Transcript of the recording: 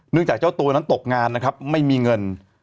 จากเจ้าตัวนั้นตกงานนะครับไม่มีเงิน